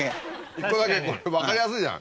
１個だけ分かりやすいじゃん